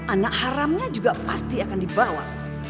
anak haramnya juga pasti akan dibawa